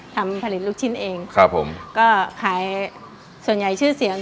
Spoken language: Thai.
ทำผลิตลูกชิ้นเองครับผมก็ขายส่วนใหญ่ชื่อเสียง